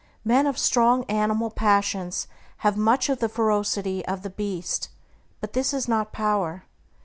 Men of strong animal passions have much of the ferocity of the beast, but this is not power.